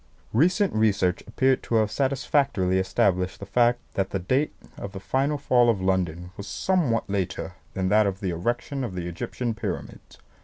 Recent research appeared to have satisfactorily established the fact that the date of the final fall of London was somewhat later than that of the erection of the Egyptian Pyramids.